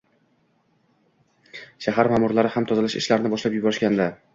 Shahar ma’murlari ham tozalash ishlarini boshlab yuborishgandi.